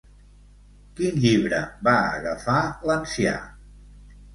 Quin llibre va agafar l'ancià?